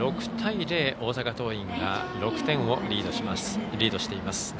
６対０、大阪桐蔭が６点をリードしています。